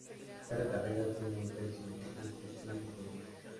Cada carrera tiene un precio de inscripción diferente.